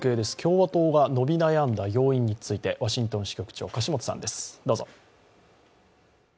共和党が伸び悩んだ原因についてワシントン支局長・樫元さんです。